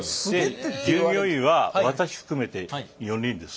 従業員は私含めて４人です。